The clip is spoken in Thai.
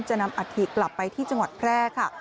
นำอัฐิกลับไปที่จังหวัดแพร่ค่ะ